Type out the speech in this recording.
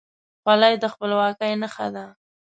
خولۍ د خپلواکۍ نښه ده.